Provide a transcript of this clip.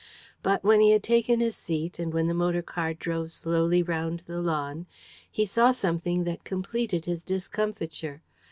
But, when he had taken his seat and when the motor car drove slowly round the lawn, he saw something that completed his discomfiture.